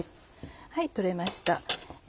はい取れました。